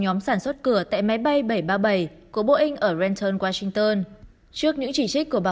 nhóm sản xuất cửa tại máy bay bảy trăm ba mươi bảy của boeing ở rentern washington trước những chỉ trích của bà